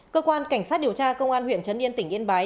cơ quan cảnh sát điều tra công an huyện trấn yên tỉnh yên bái